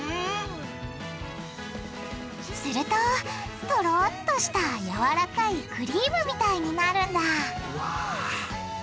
するとトロっとしたやわらかいクリームみたいになるんだうわ。